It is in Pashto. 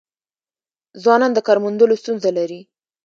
ځوانان د کار موندلو ستونزه لري.